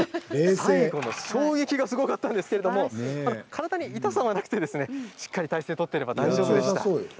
最後の衝撃はすごかったんですけれども体に痛さはなくてしっかり体勢を取っていれば大丈夫です。